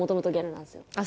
あ